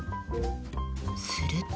すると。